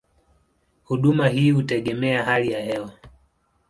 Huduma hii hutegemea hali ya hewa.